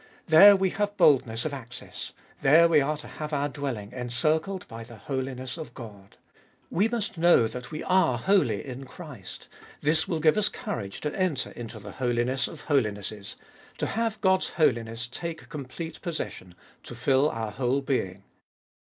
There we have boldness of access, there we are to have our dwelling encircled by the holiness of God. We must know that we are holy in Christ ; this will give us courage to enter into the Holiness of Holinesses, to have God's holiness take complete possession, and fill our whole being.